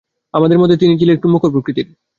আমাদের মধ্যে তিনিই ছিলেন একটু মুখর প্রকৃতির।